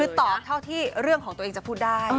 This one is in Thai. คือตอบเท่าที่เรื่องของตัวเองจะพูดได้